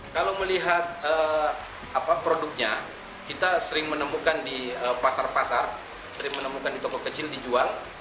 kalau melihat produknya kita sering menemukan di pasar pasar sering menemukan di toko kecil dijual